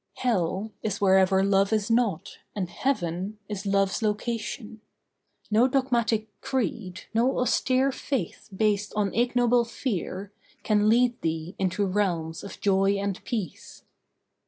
Hell is wherever Love is not, and Heaven Is Love's location. No dogmatic creed, No austere faith based on ignoble fear Can lead thee into realms of joy and peace.